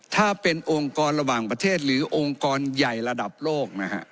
ถ้าเป็นองค์กรระหว่างประเทศหรือองค์กรใหญ่ระดับโลกนะฮะ